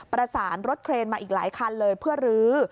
ประสานรถเครนมาอีกหลายคันเลยเพื่อลื้อ